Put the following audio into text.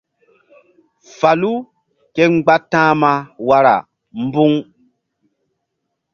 Falu ke mgba ta̧hma wara mbu̧ŋ.